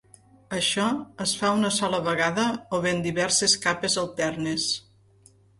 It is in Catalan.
Això es fa una sola vegada o bé en diverses capes alternes.